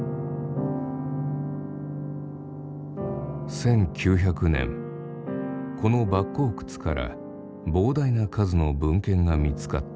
１９００年この莫高窟から膨大な数の文献が見つかった。